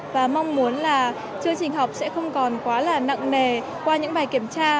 và mong muốn là chương trình học sẽ không còn quá là nặng nề qua những bài kiểm tra